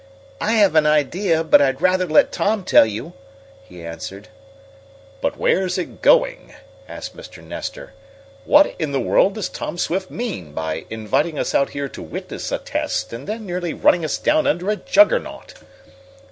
"I have an idea, but I'd rather let Tom tell you," he answered. "But where's it going?" asked Mr. Nestor. "What in the world does Tom Swift mean by inviting us out here to witness a test, and then nearly running us down under a Juggernaut?"